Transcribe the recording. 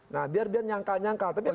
nah biar biar nyangkal nyangkal